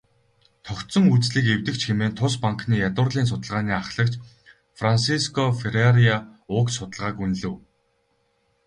"Тогтсон үзлийг эвдэгч" хэмээн тус банкны ядуурлын судалгааны ахлагч Франсиско Ферреира уг судалгааг үнэлэв.